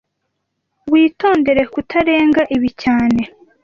Witondere kutarenga ibi cyane